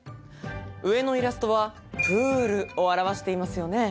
上のイラストはプールを表していますよね。